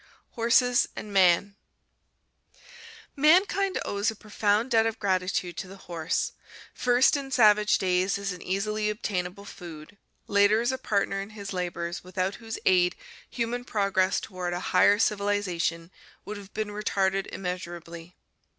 Horses and Man Mankind owes a profound debt of gratitude to the horse, first in savage days as an easily obtainable food, later as a partner in his labors without whose aid human progress toward a higher civiliza tion would have been retarded immeasurably.